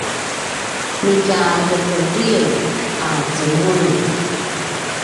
nu tja ljekedriyen a zemululj